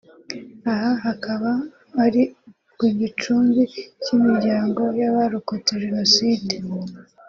Aha hakaba ari ku gicumbi cy’ imiryango y’abarokotse Jenoside